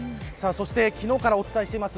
昨日からお伝えしています